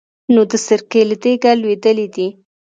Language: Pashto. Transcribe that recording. نو د سرکې له دېګه لوېدلی دی.